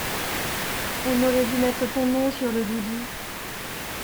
On aurait du mettre ton nom sur le doudou.